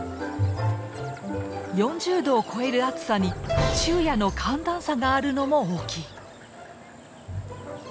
４０度を超える暑さに昼夜の寒暖差があるのも大きい。